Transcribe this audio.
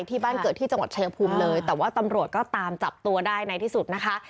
แบบนี้ปลามานเคิดที่จังหวัดเชพภูมิเลยค่ะแต่ว่าตำรวจก็ตามจับตัวได้ในที่สุดนะคะ